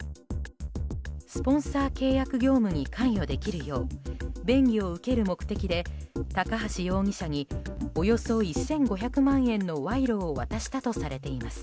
スポンサー契約業務に関与できるよう便宜を受ける目的で高橋容疑者におよそ１５００万円の賄賂を渡したとされています。